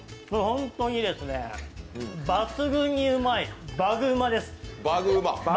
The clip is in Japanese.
ホントにですね、抜群にうまい、バグウマです。